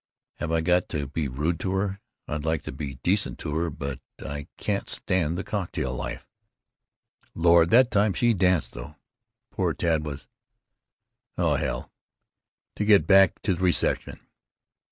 Have I got to be rude to her? I'd like to be decent to her, but I can't stand the cocktail life. Lord, that time she danced, though. Poor Tad was [See Transcriber's note.] Oh hell, to get back to the reception.